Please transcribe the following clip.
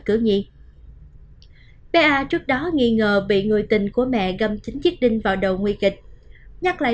cứu nhi bé a trước đó nghi ngờ bị người tình của mẹ gâm chín chiếc đinh vào đầu nguy kịch nhắc lại